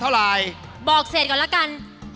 เอาควั้น